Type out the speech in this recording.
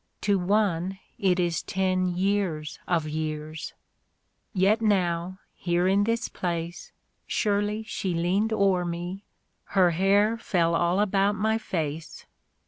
(To one it is ten years of years :... Yet now, here in this place, Surely she leaned o'er me, — her hair Fell all about my face.